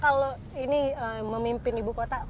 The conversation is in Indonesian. kalau ini memimpin ibu kota